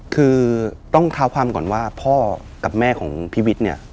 คือต้องเท้าความก่อนว่าพ่อกับแม่ของพี่วิทย์เนี่ย